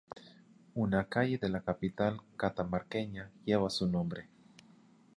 Una calle de la capital catamarqueña lleva su nombre.